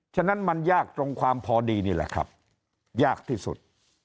ฉะนั้นมันยากตรงความพอดีนี่แหละครับยากที่สุด